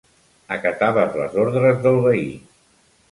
Acataves les ordres del veí.